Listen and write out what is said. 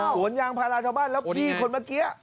สวนยางพาราชาวบ้านแล้วพี่คนเมื่อกี้